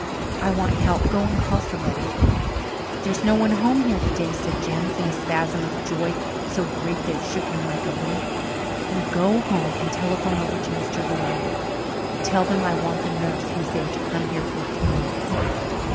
I want help. Go and call somebody." "There's no one home here to day," said Jims, in a spasm of joy so great that it shook him like a leaf. "Then go home and telephone over to Mr. Loring's. Tell them I want the nurse who is there to come here for a few minutes."